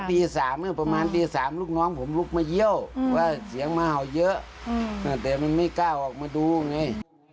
แต่มันไม่กล้าออกมาดูไง